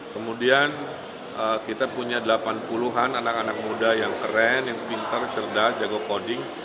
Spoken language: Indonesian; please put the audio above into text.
kemudian kita punya delapan puluh an anak anak muda yang keren yang pinter cerdas jago coding